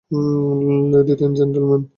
Ladies and gentleman!